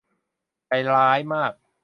ใจร้ายมาก